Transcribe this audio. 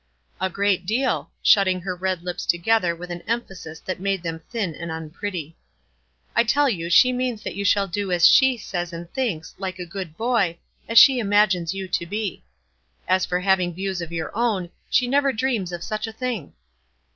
"A great deal," shutting her red lips to gether with an emphasis that made them thin and unpretty. "I tell you she means that you shall do as she says and thinks, like a good boy, as she imagines you to be. As for having views of your own, she never dreams of such a thing."